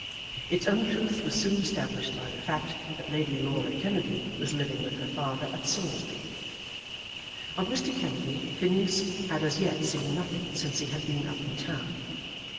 Its untruth was soon established by the fact that Lady Laura Kennedy was living with her father at Saulsby. Of Mr. Kennedy, Phineas had as yet seen nothing since he had been up in town.